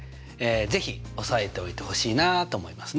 是非押さえておいてほしいなと思いますね。